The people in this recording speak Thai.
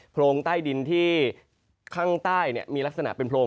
โรงใต้ดินที่ข้างใต้มีลักษณะเป็นโลง